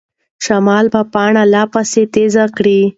شمال به پاڼه لا پسې تازه کړي.